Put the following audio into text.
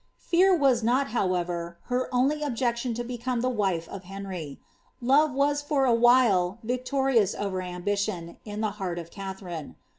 Fear was not, however, her only objection to become the wife of Henry ; love was for a while victorious over ambition, in the heart of Katharine.